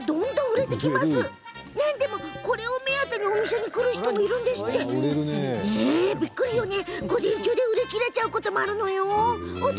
なんでもこれを目当てにお店に来る方もいるそうで午前中で売り切れちゃうこともあるんですって！